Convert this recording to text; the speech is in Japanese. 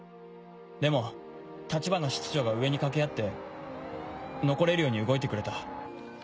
でも橘室長が上に掛け合って残れるように動いてくれた。